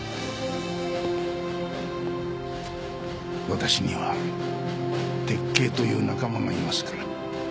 私には鉄警という仲間がいますから。